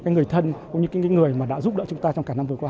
người thân cũng như những người mà đã giúp đỡ chúng ta trong cả năm vừa qua